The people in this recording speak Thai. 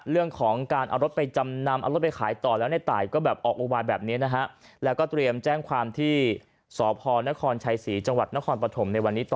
เรื่องของการเอารถไปจำนำเอารถไปขายต่อแล้วในตายก็แบบออกอุวันแบบนี้นะฮะแล้วก็เตรียม